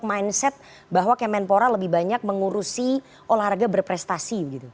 mindset bahwa kemenpora lebih banyak mengurusi olahraga berprestasi